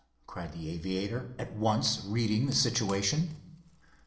cried the aviator, at once reading the situation.